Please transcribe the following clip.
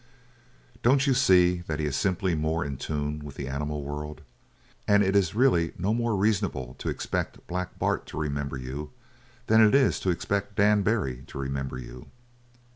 "Don't you see that he is simply more in tune with the animal world? And it's really no more reasonable to expect Black Bart to remember you than it is to expect Dan Barry to remember you?